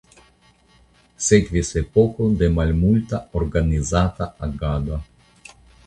Sekvis epoko de malmulta organizata agado.